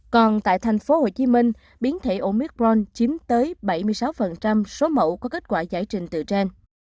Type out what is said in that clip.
còn tại tp hcm biến thể ổicron chiếm tới bảy mươi sáu số mẫu có kết quả giải trình từ trên